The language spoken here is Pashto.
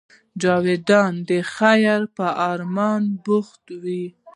جانداد د خیر په ارمان بوخت وي.